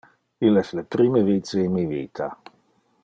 Il es le prime vice in mi vita.